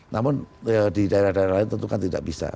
namun di daerah daerah lain tentukan tidak bisa